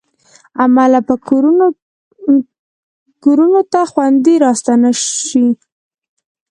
عمله به کورونو ته خوندي راستانه شي.